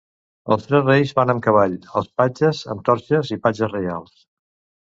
Els tres reis van amb cavall, els patges amb torxes i patges reials.